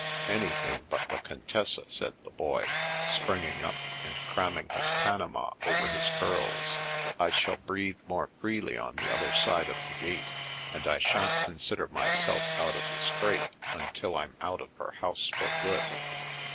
"Anything but the Contessa," said the Boy, springing up, and cramming his panama over his curls. " I shall breathe more freely on the other side of the gate, and I shan't consider myself out of the scrape until I'm out of her house for good."